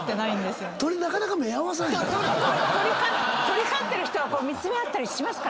鳥飼ってる人は見つめ合ったりしますから。